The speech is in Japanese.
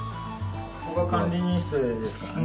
ここが管理人室ですからね。